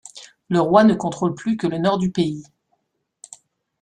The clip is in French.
Le roi ne contrôle plus que le nord du pays.